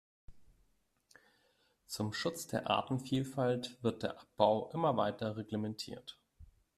Zum Schutz der Artenvielfalt wird der Abbau immer weiter reglementiert.